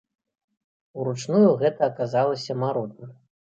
Уручную гэта аказалася марудна.